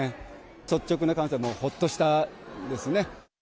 率直な感想は、もうほっとした、ですね。